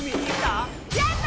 やった！